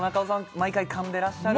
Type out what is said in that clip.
毎回かんでらっしゃる